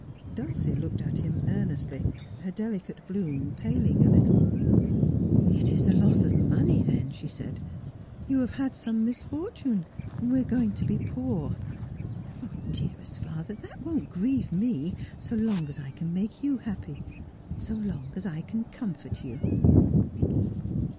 Dulcie looked at him earnestly, her delicate bloom paling a little. ' It is the loss of money, then,' she said. ' You have had some misfortune. We are going to be poor. Oh, dearest father, that won't grieve me, so long as I can make you happy, so long as I can comfort you.'